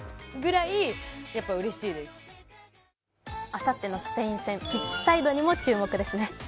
あさってのスペイン戦、ピッチサイドにも注目ですね。